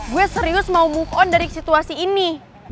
gue serius mau move on dari situasi ini